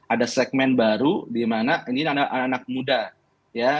ada segmen baru di mana ini anak muda ya